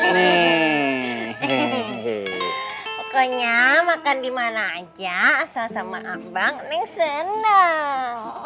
pokoknya makan dimana saja asal sama abang neng senang